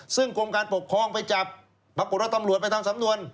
ซึ่งกรมการปกครองไปจับปรากฏว่าตำรวจไปทำสำนวน